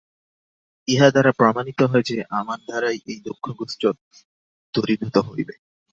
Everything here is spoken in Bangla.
ইহা দ্বারা প্রমাণিত হয় যে, আমার দ্বারাই এই দুঃখকষ্ট দূরীভূত হইবে।